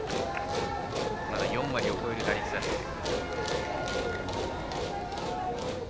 ４割を超える打率です。